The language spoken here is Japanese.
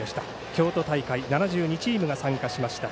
京都大会７２チームが参加しました。